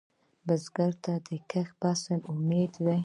بزګر ته د کښت فصل امید دی